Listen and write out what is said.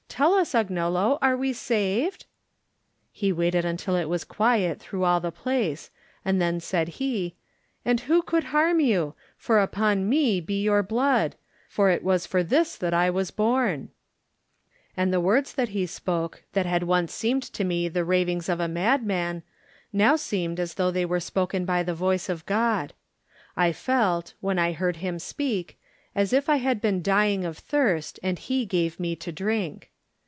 Tell us, Agnello, are we saved?" He waited until it was quiet through all the place, and then said he: "And who could harm you? For upon me be your blood; for it was for this that I was born." Digitized by Google THE NINTH MAN And the words that he spoke, that had once seemed to me the ravings of a madman, now seemed as though they were spoken by the voice of God. I felt, when I heard him speak, as if I had been dying of thirst and he gave me to drink.